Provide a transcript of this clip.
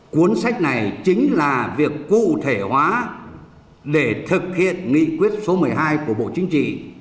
cuốn sách này chính là việc cụ thể hóa để thực hiện nghị quyết số một mươi hai của bộ chính trị